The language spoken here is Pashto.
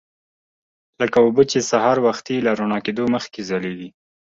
لکه اوبه چې سهار وختي له رڼا کېدو مخکې ځلیږي.